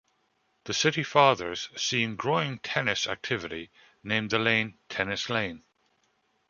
The city fathers, seeing growing tennis activity, named the lane Tennis Lane.